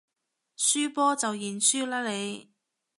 輸波就認輸啦你